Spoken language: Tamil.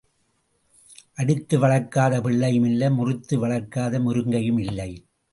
அடித்து வளர்க்காத பிள்ளையும் இல்லை முறித்து வளர்க்காத முருங்கையும் இல்லை.